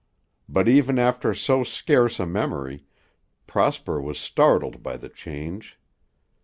But even after so scarce a memory, Prosper was startled by the change.